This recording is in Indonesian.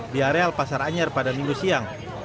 di areal pasar anyar pada minggu siang